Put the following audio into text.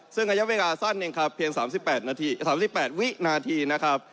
ซึ่งก็ยังเวลาสั้นเองครับเพียง๓๘วินาทีนะครับ